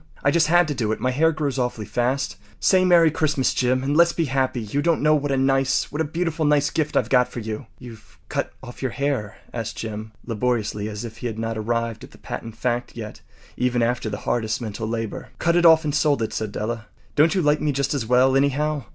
I just had to do it. My hair grows awfully fast. Say ‘Merry Christmas!’ Jim, and let’s be happy. You don’t know what a nice—what a beautiful, nice gift I’ve got for you.” “You’ve cut off your hair?” asked Jim, laboriously, as if he had not arrived at that patent fact yet even after the hardest mental labor. “Cut it off and sold it,” said Della. “Don’t you like me just as well, anyhow?